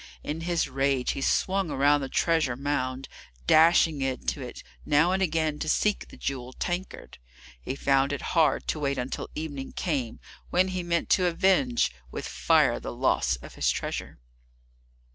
In his rage he swung around the treasure mound, dashing into it now and again to seek the jewelled tankard. He found it hard to wait until evening came, when he meant to avenge with fire the loss of his treasure.